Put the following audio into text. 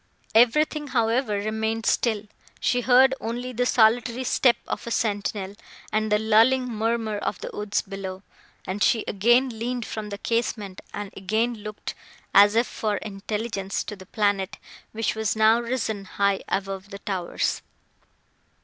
Everything, however, remained still; she heard only the solitary step of a sentinel, and the lulling murmur of the woods below, and she again leaned from the casement, and again looked, as if for intelligence, to the planet, which was now risen high above the towers.